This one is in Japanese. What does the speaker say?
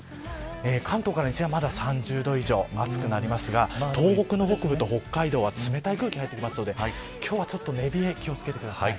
関東から西はまだ３０度以上暑くなりますが東北の北部と北海道は冷たい空気が入ってますので今日はちょっと寝冷え気を付けてください。